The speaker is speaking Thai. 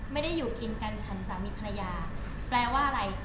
ไม่ได้อยู่กินกันฉันสามีภรรยาแปลว่าอะไร